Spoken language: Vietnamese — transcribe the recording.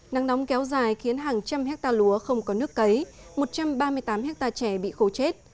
nắng nóng kéo dài khiến hàng trăm hectare lúa không có nước cấy một trăm ba mươi tám hectare trẻ bị khô chết